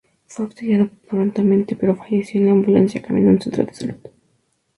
Fue auxiliado prontamente, pero falleció en la ambulancia, camino a un centro de salud.